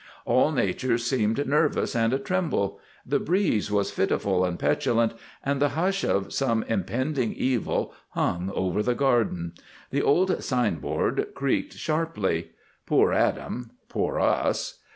All nature seemed nervous and a tremble. The breeze was fitful and petulant and the hush of some impending evil hung over the Garden. The old signboard creaked sharply. Poor Adam! (Poor Us!!!)